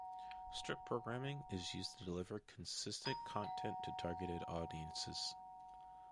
Strip programming is used to deliver consistent content to targeted audiences.